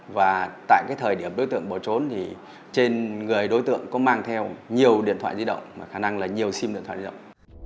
và tại cái thời điểm đối tượng bỏ trốn thì trên người đối tượng có mang theo nhiều điện thoại di động mà khả năng là nhiều sim điện thoại di động